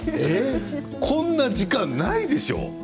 こんな時間ないでしょう？